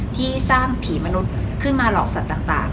ที่สร้างผีมนุษย์ขึ้นมาหลอกสัตว์ต่าง